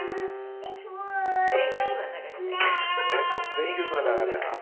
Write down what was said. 全曲は流れないから。